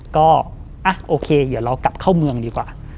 ก็โอเคเดี๋ยวเรากลับเข้าเมืองดีกว่า